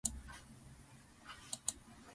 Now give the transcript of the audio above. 熊本県水上村